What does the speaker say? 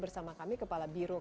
satu lagi adalah bahwa